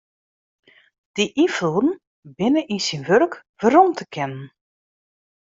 Dy ynfloeden binne yn syn wurk werom te kennen.